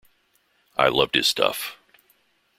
I loved his stuff.